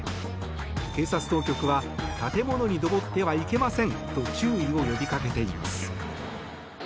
警察当局は建物に登ってはいけませんと注意を呼びかけています。